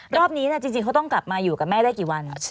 รอบนี้จริงเขาต้องกลับมาอยู่กับแม่ได้กี่วัน